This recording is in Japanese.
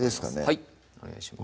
はいお願いします